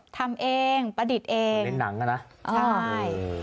ทำเองประดิษฐ์เองในหนังอ่ะนะใช่